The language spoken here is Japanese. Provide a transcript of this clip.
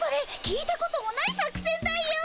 聞いたこともない作戦だよ。